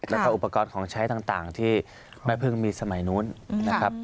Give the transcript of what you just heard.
แล้วก็อุปกรณ์ของใช้ต่างที่แม่พึ่งมีสมัยนู้นนะครับ